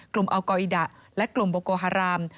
กลุ่มอัลกอีดาและกลุ่มโบโกฮาราม